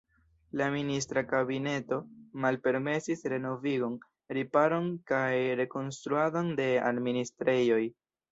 La ministra kabineto malpermesis renovigon, riparon kaj rekonstruadon de administrejoj.